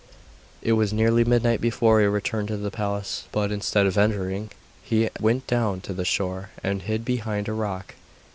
It was nearly midnight before he returned to the palace, but, instead of entering, he went down to the shore and hid behind a rock.